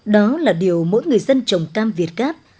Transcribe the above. đó là điều mỗi người dân trồng cam việt gáp